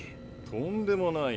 とんでもない。